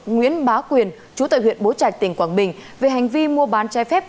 nguyễn bá quyền chú tại huyện bố trạch tỉnh quảng bình về hành vi mua bán trái phép